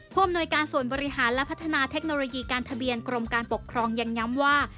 อำนวยการส่วนบริหารและพัฒนาเทคโนโลยีการทะเบียนกรมการปกครองยังย้ำว่า